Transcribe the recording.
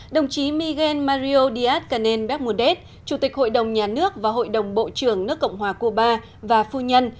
đồng chí miguel mario díaz canel becmudet chủ tịch hội đồng nhà nước và hội đồng bộ trưởng nước cộng hòa cuba và phu nhân